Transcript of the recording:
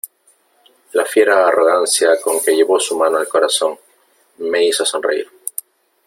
la fiera arrogancia con que llevó su mano al corazón , me hizo sonreír ,